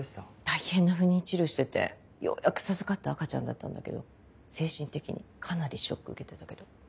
大変な不妊治療しててようやく授かった赤ちゃんだったんだけど精神的にかなりショック受けてたけど。